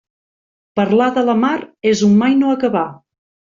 Parlar de la mar és un mai no acabar.